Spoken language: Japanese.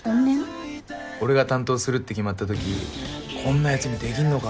俺が担当するって決まったときこんなやつにできんのか？